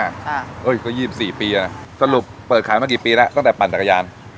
ครับเอ้ยก็ยี่สิบสี่ปีอ่ะสรุปเปิดขายมากี่ปีแล้วตั้งแต่ปั่นตากระยาน